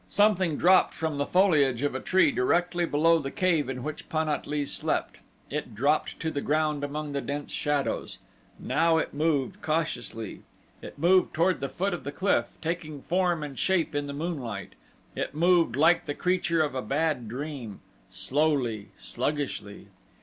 Something dropped from the foliage of a tree directly below the cave in which Pan at lee slept it dropped to the ground among the dense shadows. Now it moved, cautiously. It moved toward the foot of the cliff, taking form and shape in the moonlight. It moved like the creature of a bad dream slowly, sluggishly.